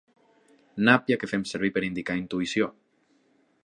Nàpia que fem servir per indicar intuïció.